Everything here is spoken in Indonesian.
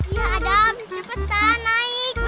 iya adam cepetan naik